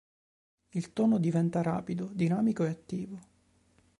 Il tono diventa rapido, dinamico e attivo.